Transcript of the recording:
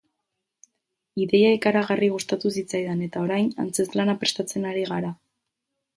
Ideia ikaragarri gustatu zitzaidan eta, orain, antzezlana prestatzen ari gara.